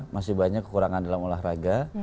masih banyak kekurangan dalam olahraga